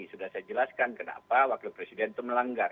sudah saya jelaskan kenapa wakil presiden itu melanggar